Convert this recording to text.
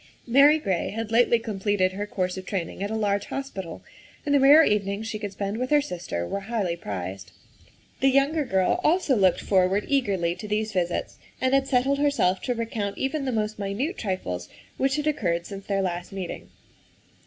Mary Gray had lately completed her course of training at a large hos pital, and the rare evenings she could spend with her sister were highly prized. The younger girl also looked forward eagerly to these visits and had settled herself to recount even the most minute trifles which had occurred since their last meeting.